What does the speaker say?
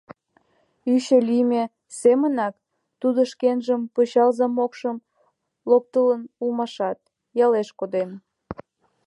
Ӱчӧ лийме семынак, тудо шкенжын пычал замокшым локтылын улмашат, ялеш коден.